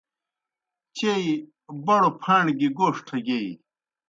چیئی بڑوْ پھاݨ گیْ گوݜٹھہ گیئی۔